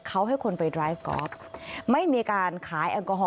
เขาให้คนไปไลฟ์กอล์ฟไม่มีการขายแอลกอฮอล